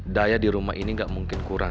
daya di rumah ini nggak mungkin kurang